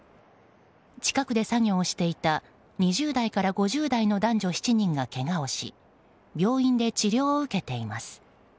近くで作業をしていた２０代から５０代の男女７人がけがをし病院で治療を受けています。